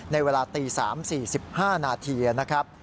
ในเวลา๓๔๕นนะครับ